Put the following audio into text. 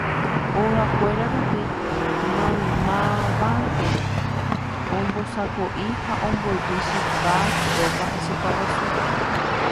ogakuéra rupi maymávante ombosako'i ha ombojy chipa, sópa ha chipa guasu.